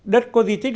đất có di tích